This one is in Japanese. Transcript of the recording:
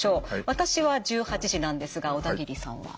私は１８時なんですが小田切さんは？